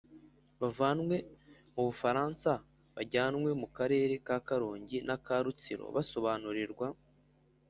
Bavanwe mu bufaransa bajyanywe mu Karere ka Karongi n aka Rutsiro basobanurirwa